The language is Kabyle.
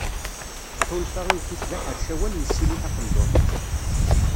Tḥulfa i ufus d aḥercawan yessili taqendurt-is.